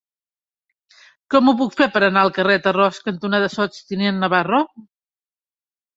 Com ho puc fer per anar al carrer Tarròs cantonada Sots tinent Navarro?